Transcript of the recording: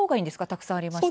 たくさんありましたが。